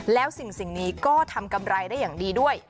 แล้วสิ่งนี้ก็ทำกำไรได้อย่างดีด้วย